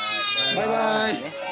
バイバイ！